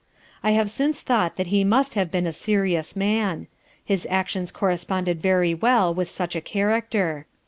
I have since thought that he must have been a serious man. His actions corresponded very well with such a character.